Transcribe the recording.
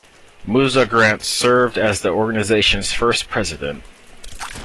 Mooza Grant served as the organization's first president.